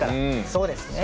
そうですね。